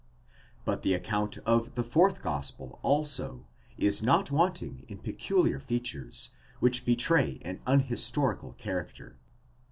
* But the account of the fourth gospel also is not wanting in peculiar features, which betray an unhistorical character.